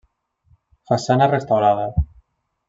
Façana restaurada.